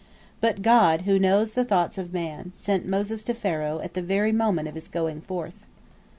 But God, who knows the thoughts of man, sent Moses to Pharaoh at the very moment of his going forth.